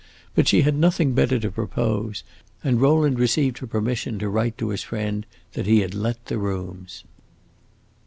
But she had nothing better to propose, and Rowland received her permission to write to his friend that he had let the rooms.